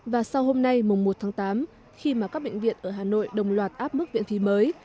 và sau hôm nay mùng một tháng tám khi mà các bệnh viện ở hà nội đồng loạt áp mức viện thí mới